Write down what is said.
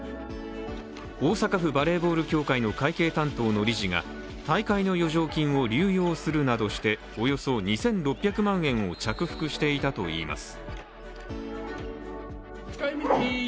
大阪府バレーボール協会の会計担当の理事が大会の余剰金を流用するなどしておよそ２６００万円を着服していたといいます。